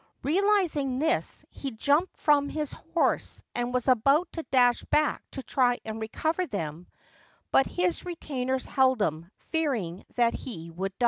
Realising this, he jumped from his horse, and was about to dash back to try and recover them ; but his retainers held him, fearing that he would die.